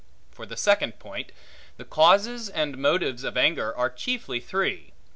For the second point; the causes and motives of anger, are chiefly three.